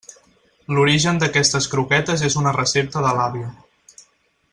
L'origen d'aquestes croquetes és una recepta de l'àvia.